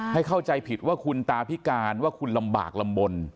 เข้าใจผิดว่าคุณตาพิการว่าคุณลำบากลำบล